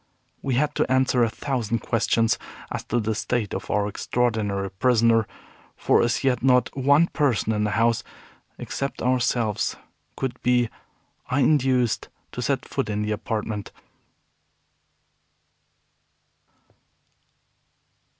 We had to answer a thousand questions as to the state of our extraordinary prisoner, for as yet not one person in the house except ourselves could be induced to set foot in the apartment.